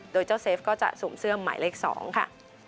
โดยเจ้าเซฟก็จะสวมเสื้อหมายเลข๒ค่ะ